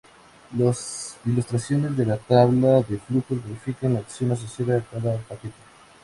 Las instrucciones de la tabla de flujos modifican la acción asociada a cada paquete.